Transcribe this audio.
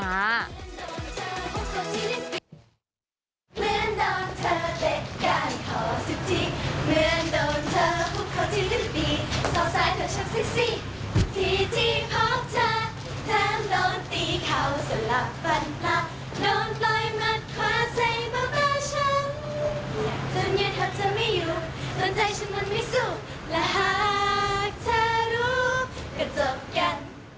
มันขวาใส่เบาะตาฉันจนยังทับจะไม่อยู่จนใจฉันมันไม่สุขและหากเธอรู้ก็จบกัน